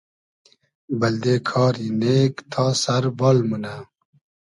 بئلدې کاری نېگ تا سئر بال مونۂ